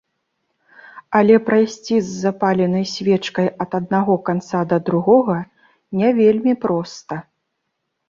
Але прайсці з запаленай свечкай ад аднаго канца да другога не вельмі проста.